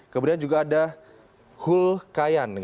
kemudian juga ada hul kayan